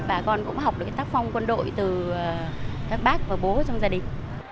bà con cũng học được tác phong quân đội từ các bác và bố trong gia đình